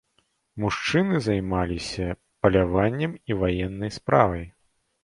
Мужчыны займаліся паляваннем і ваеннай справай.